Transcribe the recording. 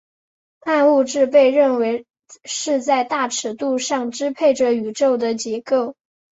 暗物质被认为是在大尺度上支配着宇宙的结构。